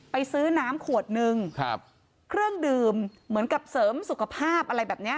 ไปซื้อน้ำขวดนึงครับเครื่องดื่มเหมือนกับเสริมสุขภาพอะไรแบบเนี้ย